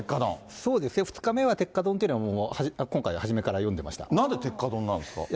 そうですね、２日目は鉄火丼というのはもう今回、なんで鉄火丼なんですか？